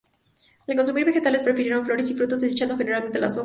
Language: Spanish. Al consumir vegetales, prefieren flores y frutos, desechando generalmente las hojas.